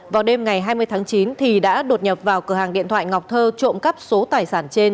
vào đêm ngày hai mươi tháng chín thì đã đột nhập vào cửa hàng điện thoại ngọc thơ trộm cắp số tài sản trên